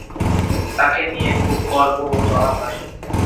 তাকে নিয়ে খুব গর্ব হত আমার।